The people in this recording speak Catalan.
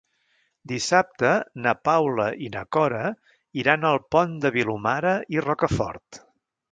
Dissabte na Paula i na Cora iran al Pont de Vilomara i Rocafort.